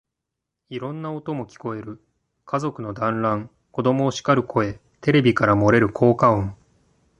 いろんな音も聞こえる。家族の団欒、子供をしかる声、テレビから漏れる効果音、